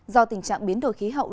do tình trạng biến đổi khí hậu